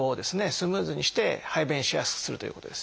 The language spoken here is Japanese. スムーズにして排便しやすくするということです。